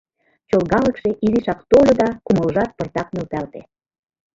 Чолгалыкше изишак тольо да кумылжат пыртак нӧлталте.